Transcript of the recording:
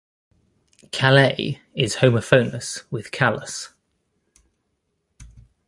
Calais is homophonous with "callous".